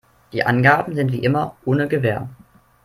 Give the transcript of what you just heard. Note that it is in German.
Die Angaben sind wie immer ohne Gewähr.